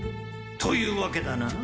というわけだな？